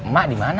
mak di mana